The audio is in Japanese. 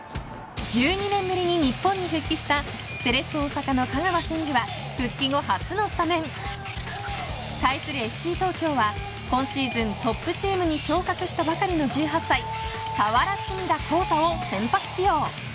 １２年ぶりに日本に復帰したセレッソ大阪の香川真司は復帰後初のスタメン。対するＦＣ東京は今シーズントップチームに昇格したばかりの１８歳俵積田晃太を先発起用。